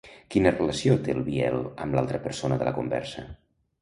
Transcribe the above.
Quina relació té el Biel amb l'altra persona de la conversa?